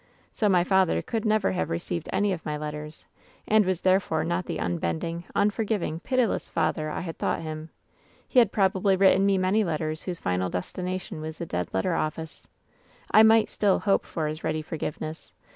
"So my father could never have received any of my letters, and was therefore not the unbending, unforgiv ing, pitiless father I had thought him. He had probably written me many letters whose final destination was the dead letter office. I might still hope for his ready for giveness.